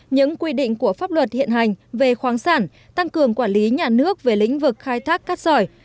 những quy định của pháp luật hiện hành về khoáng sản tăng cường quản lý nhà nước về lĩnh vực khai thác cát sỏi